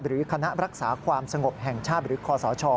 คณะรักษาความสงบแห่งชาติหรือคอสช